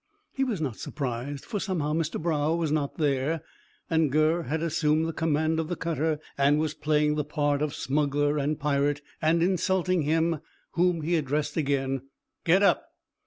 He was not surprised, for somehow Mr Brough was not there, and Gurr had assumed the command of the cutter, and was playing the part of smuggler and pirate, and insulting him, whom he addressed again: "Get up!"